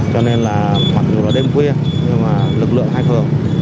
cho nên là mặc dù là đêm khuya nhưng mà lực lượng hai phường